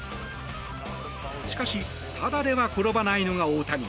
しかしタダでは転ばないのが大谷。